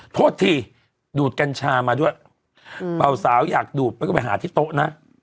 โทษทีดูดกัญชามาด้วยเบาสาวอยากดูดมันก็ไปหาที่โต๊ะนะ